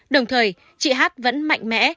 đồng thời chị h vẫn mạnh mẽ